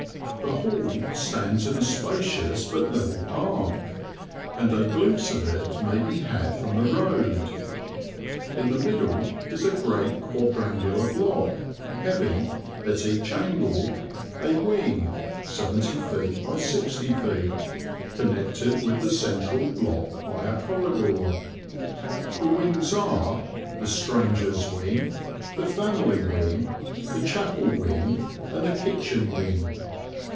The Hall stands in a spacious but level park, and a glimpse of it may be had from the road. In the middle is a great quadrangular block having, at each angle, a wing, 70 ft. by 60 ft., connected with the central block by a corridor. The wings are: the stranger's wing, the family wing, the chapel wing, and the kitchen wing.